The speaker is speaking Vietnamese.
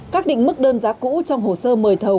các định mức đơn giá cũ trong hồ sơ mời thầu